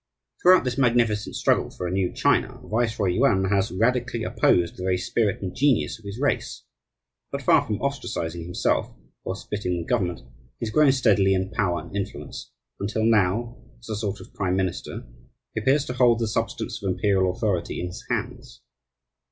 Throughout this magnificent struggle for a new China, Viceroy Yuan has radically opposed the very spirit and genius of his race; but far from ostracizing himself or splitting the government, he has grown steadily in power and influence, until now, as a sort of prime minister, he appears to hold the substance of imperial authority in his hands.